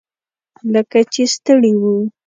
لکه چې ستړي وو.